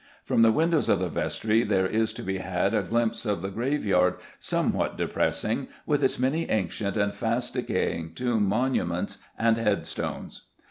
From the windows of the vestry there is to be had a glimpse of the graveyard, somewhat depressing, with its many ancient and fast decaying tomb monuments and headstones.